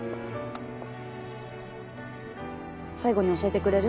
最後に教えてくれる？